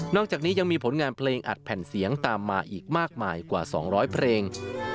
อกจากนี้ยังมีผลงานเพลงอัดแผ่นเสียงตามมาอีกมากมายกว่า๒๐๐เพลง